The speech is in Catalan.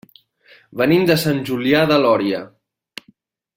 Venim de Sant Julià de Lòria.